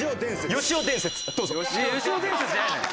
よしお伝説じゃないのよ。